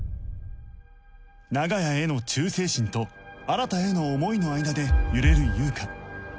長屋への忠誠心と新への思いの間で揺れる優香